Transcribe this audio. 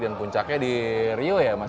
puncaknya di rio ya mas